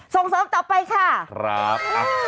ส่งเสิร์ฟต่อไปค่ะอืมครับ